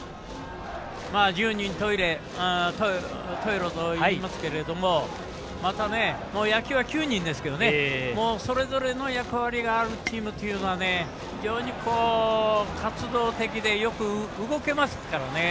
十人十色といいますけれどもまた、野球は９人ですけどそれぞれの役割があるチームというのは非常に活動的でよく動けますからね。